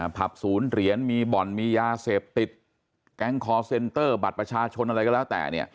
ผับศูนย์เหรียญมีบ่อนมียาเสพติดแก๊งคอร์เซ็นเตอร์บัตรประชาชนอะไรก็แล้วแต่